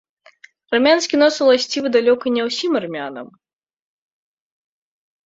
Армянскі нос уласцівы далёка не ўсім армянам.